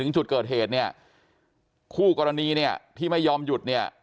จุดเกิดเหตุเนี่ยคู่กรณีเนี่ยที่ไม่ยอมหยุดเนี่ย